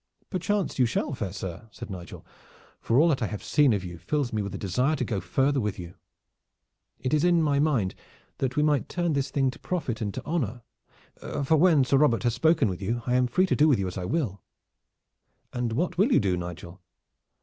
"Perchance you shall, fair sir," said Nigel, "for all that I have seen of you fills me with desire to go further with you. It is in my mind that we might turn this thing to profit and to honor, for when Sir Robert has spoken with you, I am free to do with you as I will." "And what will you do, Nigel?"